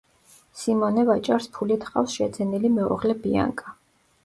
სიმონე ვაჭარს ფულით ჰყავს შეძენილი მეუღლე ბიანკა.